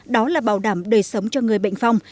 đó là bảo đảm đời sống cho người bệnh phong